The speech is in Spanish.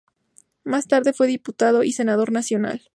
Más tarde fue diputado y senador nacional.